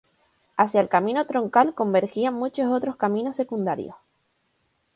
Hacia el camino troncal convergían muchos otros caminos secundarios.